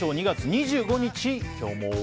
２月２５日、今日も。